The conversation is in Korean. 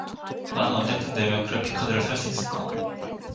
나는 언제쯤 되면 그래픽카드를 살 수 있을까?